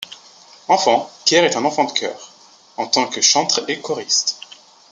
Enfant, Kier est enfant de chœur, en tant que chantre et choriste.